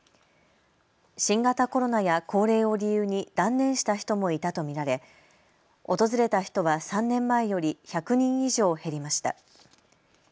新型コロナや高齢を理由に断念した人もいたと見られ訪れた人は３年前より１００人以上減りました。